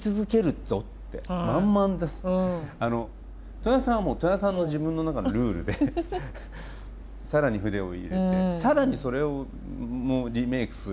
戸谷さんはもう戸谷さんの自分の中のルールで更に筆を入れて更にそれもリメイクするよみたいな。